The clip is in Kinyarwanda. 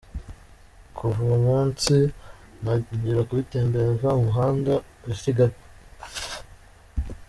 Kuva uwo munsi ntangira kubitembereza mu mihanda ya Kigali.